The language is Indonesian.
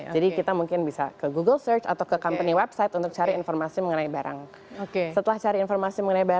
jadi kita mungkin bisa ke google search atau ke company website untuk cari informasi mengenai barang